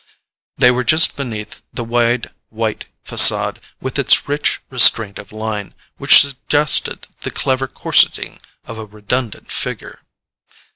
They were just beneath the wide white facade, with its rich restraint of line, which suggested the clever corseting of a redundant figure.